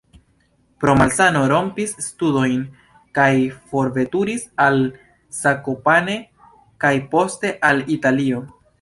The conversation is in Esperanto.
Pro malsano rompis studojn kaj forveturis al Zakopane, kaj poste al Italio.